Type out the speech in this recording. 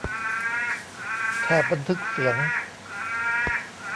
แถบบันทึกเสียง